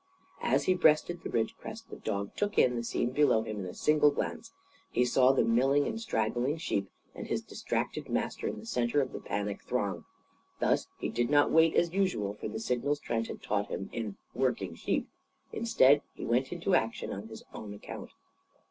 As he breasted the ridge crest, the dog took in the scene below him in a single glance. He saw the milling and straggling sheep, and his distracted master in the centre of the panic throng. Thus, he did not wait, as usual, for the signals Trent had taught him in "working" sheep. Instead, he went into action on his own account.